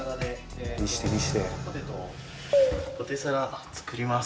ポテサラ作ります。